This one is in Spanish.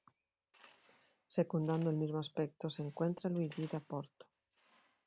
Secundando el mismo aspecto se encuentra Luigi da Porto.